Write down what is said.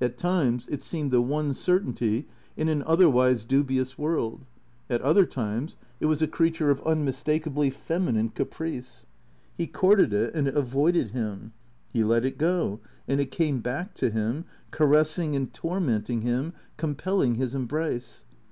At times it seemed the one certainty in an otherwise dubious world, at other times it was a creature of unmistakably feminine caprice. He courted it, and it avoided him. He let it go, and it came back to him, caressing and tormenting him, compelling his embrace.